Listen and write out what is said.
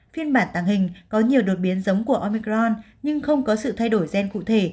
phiên bản tàng hình có nhiều đột biến giống của omicron nhưng không có sự thay đổi gen cụ thể